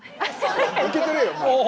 受け取れよお前。